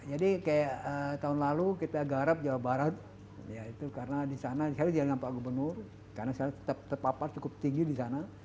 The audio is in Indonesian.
jadi kayak tahun lalu kita garap jawa barat karena di sana saya juga dengan pak gubernur karena saya tetap terpapar cukup tinggi di sana